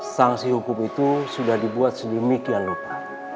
sangsi hukum itu sudah dibuat sedemikian lupa